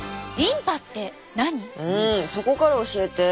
うんそこから教えて。